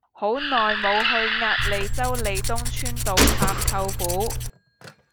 好耐無去鴨脷洲利東邨道探舅父